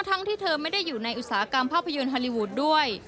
ทั้งที่เธอไม่ได้อยู่ในอุตสาหกรรมภาพยนตร์ฮอลลีวูดด้วย